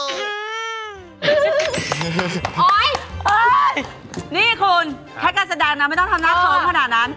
เฮ้ยนี่คุณแค่การแสดงนะไม่ต้องทำหน้าท้องขนาดนั้น